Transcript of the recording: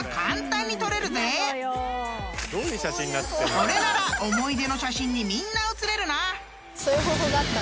［これなら思い出の写真にみんな写れるな］